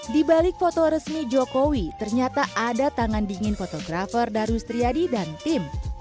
di balik foto resmi jokowi ternyata ada tangan dingin fotografer darus triadi dan tim